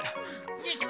よいしょ。